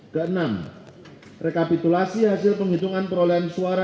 keenam rekapitulasi hasil penghitungan perolehan suara